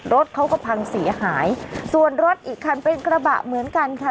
รถเขาก็พังเสียหายส่วนรถอีกคันเป็นกระบะเหมือนกันค่ะ